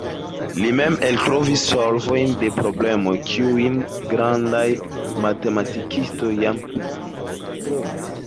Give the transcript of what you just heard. Li mem eltrovis solvojn de problemoj, kiujn grandaj matematikistoj jam trovis.